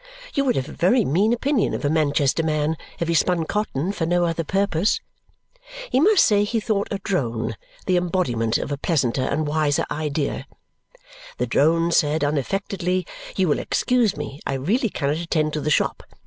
You would have a very mean opinion of a Manchester man if he spun cotton for no other purpose. He must say he thought a drone the embodiment of a pleasanter and wiser idea. The drone said unaffectedly, "You will excuse me; I really cannot attend to the shop!